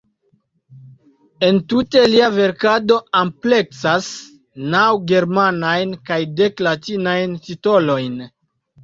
Entute lia verkado ampleksas naŭ germanajn kaj dek latinajn titolojn.